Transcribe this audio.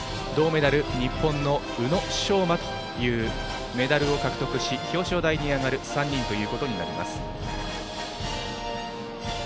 銅メダル、日本の宇野昌磨というメダルを獲得し表彰台に上がる３人となります。